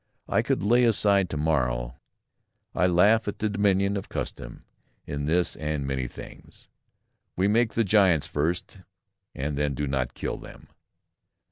I could lay it aside to morrow; I laugh at the dominion of custom in this and many things. "We make the giants first, and then do not _kill them.